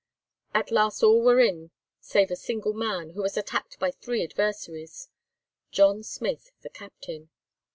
At last all were in save a single man, who was attacked by three adversaries—John Smith, the captain.